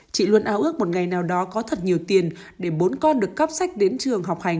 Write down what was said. chị luôn áo ước một ngày nào đó có thật nhiều tiền để bốn con được cắp sách đến trường học hành